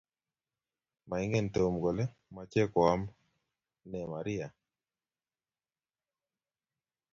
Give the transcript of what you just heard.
Maingen tom kole machei koam ne maria